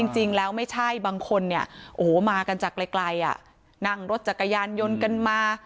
จริงแล้วไม่ใช่บางคนเนี่ยโอ้โหมากันจากไกลนั่งรถจักรยานยนต์กันมา